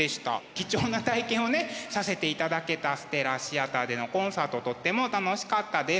貴重な体験をねさせていただけたステラシアターでのコンサートとっても楽しかったです。